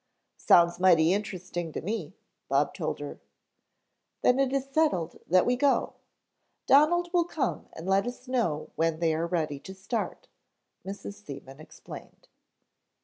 "Sounds mighty interesting to me," Bob told her. "Then it is settled that we go. Donald will come and let us know when they are ready to start," Mrs. Seaman explained.